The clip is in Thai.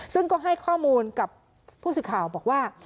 ซึ่งก็ให้ข้อมูลกับผู้สื่อข่าวบอกว่า